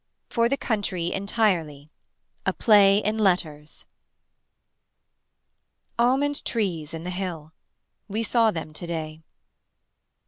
FOR THE COUNTRY ENTIRELY A PLAY IN LETTERS Almond trees in the hill. We saw them to day.